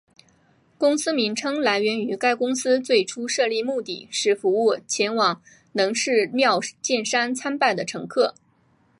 公司名称来源于该公司最初设立目的是服务前往能势妙见山参拜的乘客。